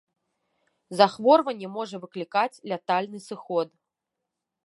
Захворванне можа выклікаць лятальны сыход.